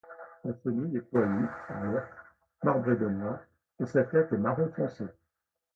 La chenille est poilue, verte marbrée de noir, et sa tête est marron foncé.